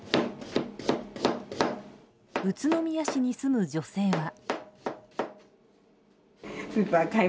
宇都宮市に住む女性は。